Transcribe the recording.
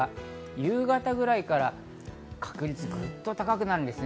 夕方ぐらいから確率がグッと高くなります。